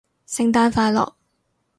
聖誕快樂